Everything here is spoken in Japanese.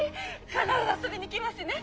必ず遊びに来ますね。